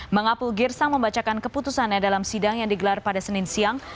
mengapul girsang membacakan keputusannya dalam sidang yang digelar pada senin siang